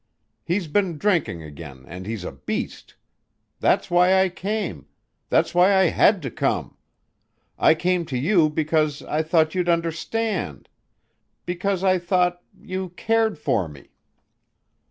He's been drinking again and he's a beast. That's why I came ... that's why I had to come.... I came to you because I thought you'd understand ... because I thought ... you ... cared for me."